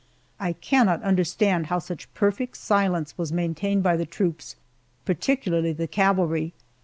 I cannot understand how such perfect silence was maintained by the troops, particularly the cavalry.